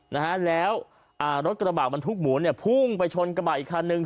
นะฮะแล้วอ่ารถกระบะบรรทุกหมูเนี่ยพุ่งไปชนกระบะอีกคันนึง